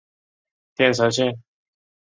电车线。